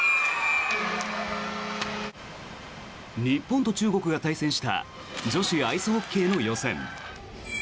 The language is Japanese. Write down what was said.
日本と中国が対戦した女子アイスホッケーの予選。